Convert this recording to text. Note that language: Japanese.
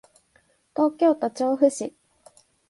東京都調布市